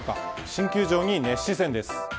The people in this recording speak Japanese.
新球場に熱視線です。